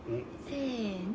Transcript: せの。